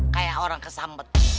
kayak orang kesambet